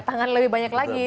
tangan lebih banyak lagi